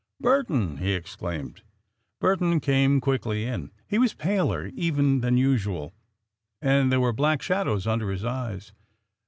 "Burton!" he exclaimed. Burton came quickly in. He was paler, even, than usual, and there were black shadows under his eyes.